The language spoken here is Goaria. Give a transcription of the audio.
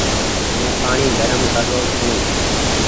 مين پآڻيٚ گرم ڪر رو ڇون ۔